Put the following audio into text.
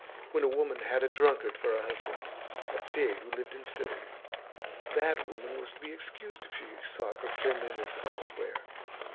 When a woman had a drunkard for a husband, a pig who lived in filth, that woman was to be excused if she sought for cleanliness elsewhere.